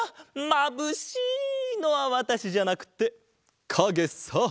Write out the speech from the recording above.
「まぶしい！」のはわたしじゃなくてかげさ！